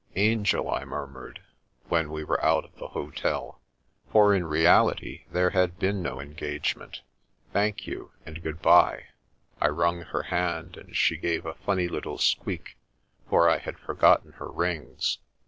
" Angel/* I murmured, when we were out of the hotel, for in reality there had been no engagement. "Thank you — and good bye." I wnmg her hand, and she gave a f imny little squeak, for I had forgotten her rings.